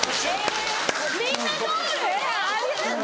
みんな通るえっ？